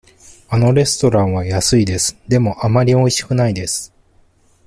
あのレストランは安いです。でも、あまりおいしくないです。